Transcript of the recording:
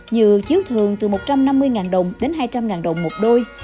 như chiếu thường từ một trăm năm mươi đồng đến hai trăm linh đồng một đôi